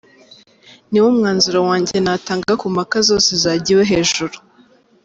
Ni wo mwanzuro wanjye natanga ku mpaka zose zajyiwe hejuru.